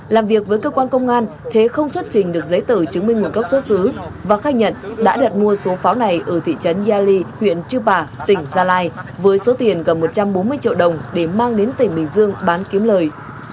làm việc với cơ quan công an thế không xuất trình được giấy tờ chứng minh nguồn gốc xuất xứ và khai nhận đã đặt mua số pháo này ở thị trấn ya ly huyện chư pả tỉnh gia lai với số tiền gần một trăm bốn mươi triệu đồng để mang đến tỉnh bình dương bán kiếm lời